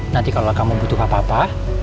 nanti kalau kamu butuh apa apa